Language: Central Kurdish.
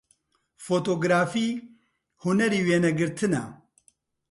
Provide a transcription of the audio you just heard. فۆتۆگرافی هونەری وێنەگرتنە